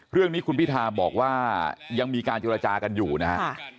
เรื่องนี้คุณพิธาบอกว่ายังมีการเจรจากันอยู่นะครับ